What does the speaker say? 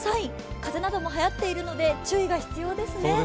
風邪などもはやっているので注意が必要ですね。